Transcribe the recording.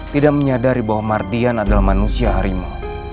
tidak menyadari bahwa mardian adalah manusia harimau